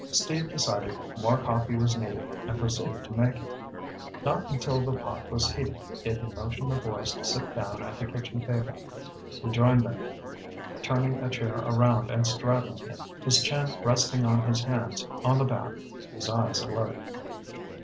Steve decided more coffee was needed and proceeded to make it. Not until the pot was heating did he motion the boys to sit down at the kitchen table. He joined them, turning a chair around and straddling it, his chin resting on his hands on the back, his eyes alert.